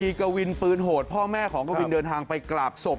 มีกวินปืนโหดพ่อแม่ของกวินเดินทางไปกราบศพ